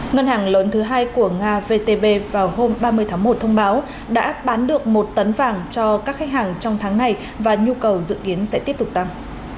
ngân hàng lớn thứ hai của nga vtb vào hôm ba mươi tháng một thông báo đã bán được một tấn vàng cho các khách hàng trong tháng này và nhu cầu dự kiến sẽ tiếp tục tăng